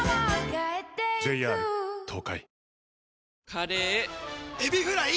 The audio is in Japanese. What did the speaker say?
カレーエビフライ！